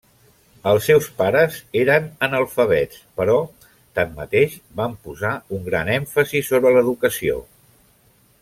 Els seus pares eren analfabets però tanmateix, van posar un gran èmfasi sobre l'educació.